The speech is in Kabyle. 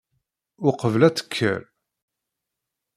Uqbel ad tekker.